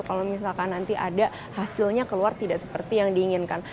kalau misalkan nanti ada hasilnya keluar tidak seperti yang diinginkan